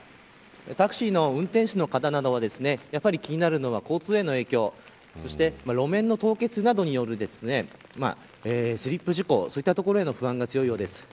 タクシーの運転手の方などはやはり気になるのは交通への影響そして路面の凍結などによるスリップ事故そういったところへの不安が強いようです。